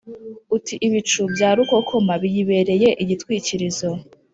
uti ‘ibicu bya rukokoma biyibereye igitwikirizo